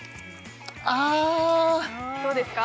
あどうですか？